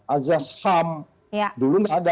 azas ham dulu ada